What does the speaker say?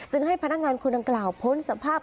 ให้พนักงานคนดังกล่าวพ้นสภาพ